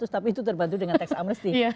tapi itu terbantu dengan tax amnesty